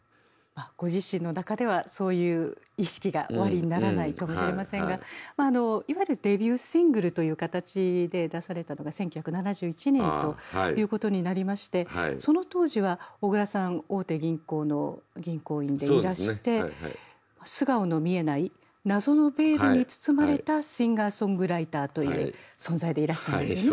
ご自身の中ではそういう意識がおありにならないかもしれませんがいわゆるデビューシングルという形で出されたのが１９７１年ということになりましてその当時は小椋さん大手銀行の銀行員でいらして素顔の見えない謎のベールに包まれたシンガーソングライターという存在でいらしたんですよね。